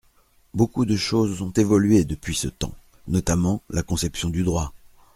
Beaucoup de choses ont évolué depuis ce temps, notamment la conception du droit.